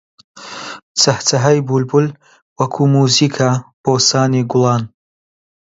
چەهچەهەی بولبول وەکوو مووزیکە بۆ سانی گوڵان